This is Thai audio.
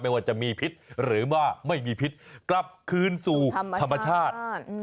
ว่าจะมีพิษหรือว่าไม่มีพิษกลับคืนสู่ธรรมชาติ